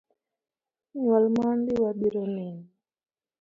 Nyuol mondi, wabiro neni